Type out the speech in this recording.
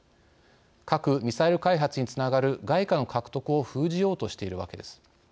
核・ミサイル開発につながる外貨の獲得を封じようとしているわけです。